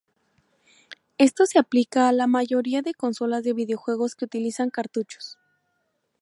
Esto se aplica a la mayoría de consolas de videojuegos que utilizan cartuchos.